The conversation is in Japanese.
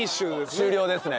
終了ですね